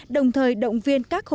đồng thời động viên các hộ dân